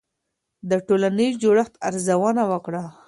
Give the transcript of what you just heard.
د ټولنیز جوړښت ارزونه وکړه.